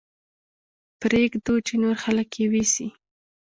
پرې يې ږدو چې نور خلک يې ويسي.